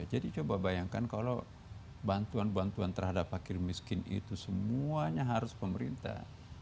jadi coba bayangkan kalau bantuan bantuan terhadap pakir miskin itu semuanya harus pemerintah